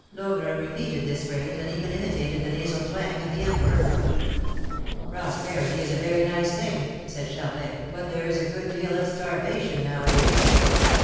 Logre repeated this phrase, and even imitated the nasal twang of the Emperor. "Prosperity is a very nice thing," said Charvet, "but there is a good deal of starvation now a days."